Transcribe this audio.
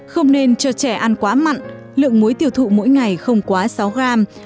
không nên cho trẻ ăn quá mặn lượng muối tiêu thụ mỗi ngày không quá sáu gram